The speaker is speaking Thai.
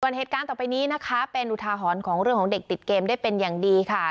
ส่วนเหตุการณ์ต่อไปนี้นะคะเป็นอุทาหรณ์ของเรื่องของเด็กติดเกมได้เป็นอย่างดีค่ะ